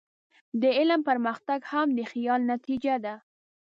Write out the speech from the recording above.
د علم پرمختګ هم د خیال نتیجه ده.